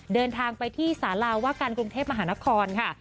เดินทางไปที่สาราว่าการกรุงเทพมหานครค่ะ